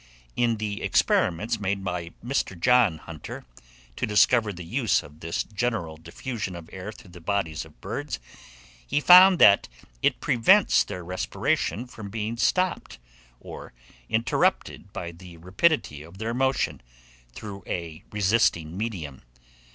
In the experiments made by Mr. John Hunter, to discover the use of this general diffusion of air through the bodies of birds, he found that it prevents their respiration from being stopped or interrupted by the rapidity of their motion through a resisting medium.